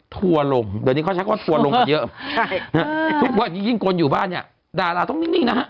ถั่วลงเดี๋ยวนี้เขาแชคว่าถั่วลงกว่าเยอะทุกวันยิ่งคนอยู่บ้านอ่ะดาราต้องนี่